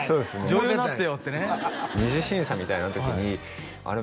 「女優になってよ」ってね二次審査みたいな時にあれ？